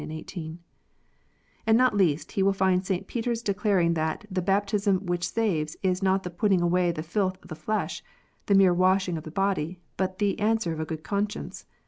And not least, he will find St. Peter declar ing that the baptism which saves is " not the putting away the filth of the flesh," the mere washing of the body, but the " answer of a good conscience."